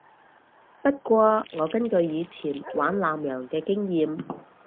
不過我根據我以前玩艦娘嘅經驗